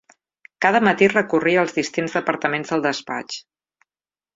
Cada matí recorria els distints departaments del despatx